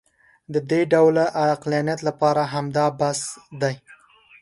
د دې ډول عقلانیت لپاره همدا بس دی.